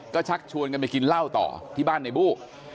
ก็ชักชวนกันไปกินเหล้าต่อที่บ้านในบู้